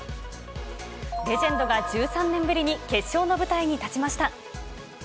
レジェンドが１３年ぶりに決勝の舞台に立ちました。